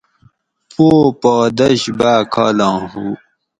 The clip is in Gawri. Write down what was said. پو پا دش باۤ کالاں ہو